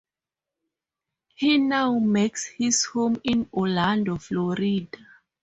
He now makes his home in Orlando, Florida.